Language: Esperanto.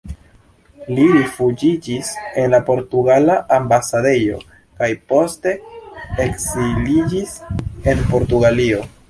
Li rifuĝiĝis en la portugala ambasadejo kaj poste ekziliĝis en Portugalio.